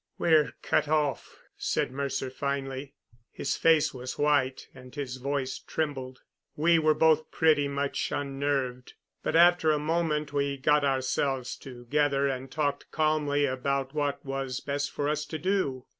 "We're cut off," said Mercer finally. His face was white and his voice trembled. We were both pretty much unnerved, but after a moment we got ourselves together and talked calmly about what was best for us to do.